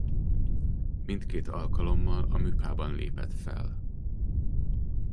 Mindkét alkalommal a Müpában lépett fel.